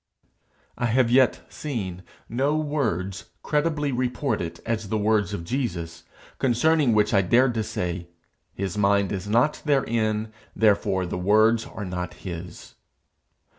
I have yet seen no words credibly reported as the words of Jesus, concerning which I dared to say, 'His mind is not therein, therefore the words are not his.'